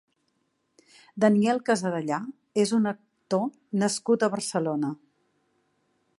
Daniel Casadellà és un actor nascut a Barcelona.